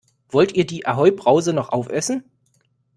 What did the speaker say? Wollt ihr die Ahoi-Brause noch aufessen?